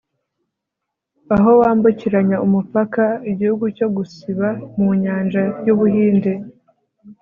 aho wambukiranya umupaka. igihugu cyo gusiba mu nyanja y'ubuhinde